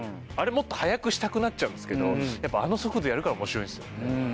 あれもっと速くしたくなっちゃうんですけどやっぱあの速度でやるから面白いんですよね。